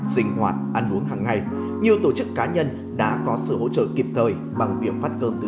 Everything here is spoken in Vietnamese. không phát cho cô